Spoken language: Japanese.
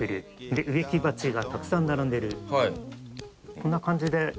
「こんな感じで」